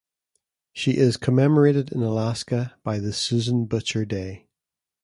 She is commemorated in Alaska by the Susan Butcher Day.